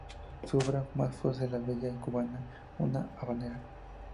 Su obra más famosa es "La bella cubana", una habanera.